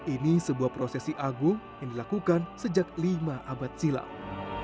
ini sebuah prosesi agung yang dilakukan sejak lima abad silam